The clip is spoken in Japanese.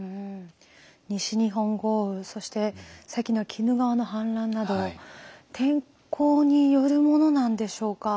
西日本豪雨そして先の鬼怒川の氾濫など天候によるものなんでしょうか？